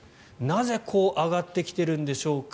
なぜ、こう上がってきているんでしょうか。